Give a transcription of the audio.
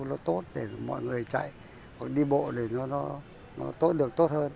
nó tốt để mọi người chạy đi bộ để nó tốt được tốt hơn